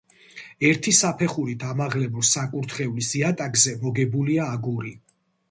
ერთი საფეხურით ამაღლებულ საკურთხევლის იატაკზე მოგებულია აგური.